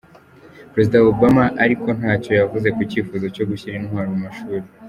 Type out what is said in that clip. Perezida Obama ariko ntacyo yavuze ku cyifuzo cyo gushyira intwaro mu mashuri.